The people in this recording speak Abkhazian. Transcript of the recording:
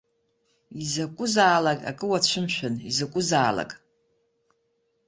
Изакәызаазак акы уацәымшәан, изакәызаалак!